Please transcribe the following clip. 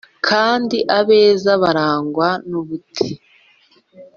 Kandi abeza barangwa nubute